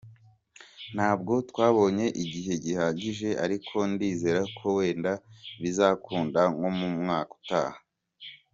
Ntabwo twabonye igihe gihagije ariko ndizera ko wenda bizakunda nko mu mwaka utaha.